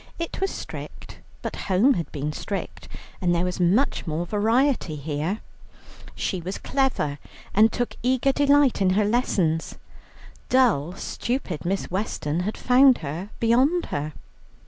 It was strict, but home had been strict, and there was much more variety here. She was clever, and took eager delight in her lessons; dull, stupid Miss Weston had found her beyond her.